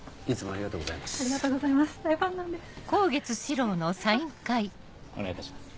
ありがとうございます。